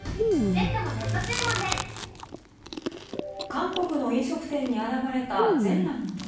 韓国の飲食店に現れた全裸の男。